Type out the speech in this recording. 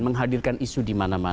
menghadirkan isu di mana mana